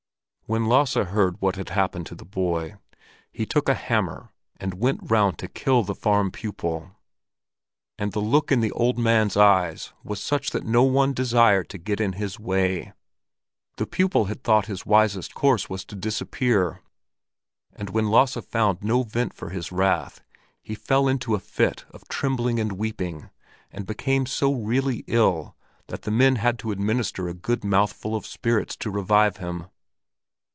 When Lasse heard what had happened to the boy, he took a hammer and went round to kill the farm pupil; and the look in the old man's eyes was such that no one desired to get in his way. The pupil had thought his wisest course was to disappear; and when Lasse found no vent for his wrath, he fell into a fit of trembling and weeping, and became so really ill that the men had to administer a good mouthful of spirits to revive him.